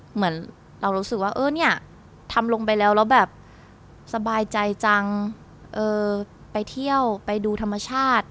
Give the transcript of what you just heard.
เหมือนเรารู้สึกว่าเออเนี่ยทำลงไปแล้วแล้วแบบสบายใจจังไปเที่ยวไปดูธรรมชาติ